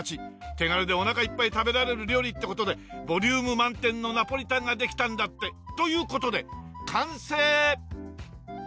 手軽でお腹いっぱい食べられる料理って事でボリューム満点のナポリタンができたんだって。という事で完成！